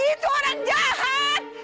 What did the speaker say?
itu orang jahat